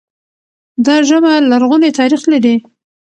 دا ژبه لرغونی تاريخ لري.